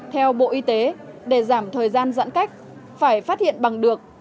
theo bộ y tế để giảm thời gian giãn cách phải phát hiện bằng được